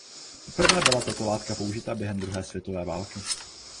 Poprvé byla tato látka použita během druhé světové války.